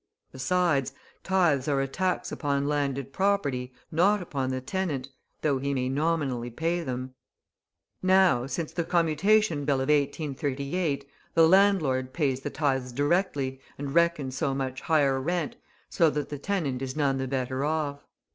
Besides, tithes are a tax upon landed property, not upon the tenant, though he may nominally pay them; now, since the Commutation Bill of 1838, the landlord pays the tithes directly and reckons so much higher rent, so that the tenant is none the better off.